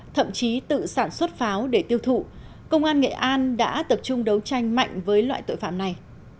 thậm chí tự sản xuất pháo để tiêu thụ công an nghệ an đã tập trung đấu tranh mạnh với loại tội phạm này